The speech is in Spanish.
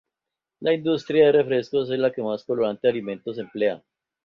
La industria de refrescos es la que más colorantes alimentarios emplea.